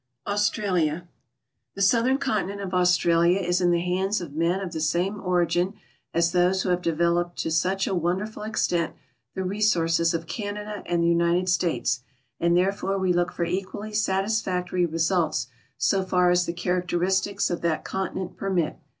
AUSTEALIA The southern continent of Australia is in the hands of men of the same origin as those who have developed to such a wonder ful extent the resources of Canada and the United States, and therefore we look for equally satisfactory results so far as the characteristics of that continent permit.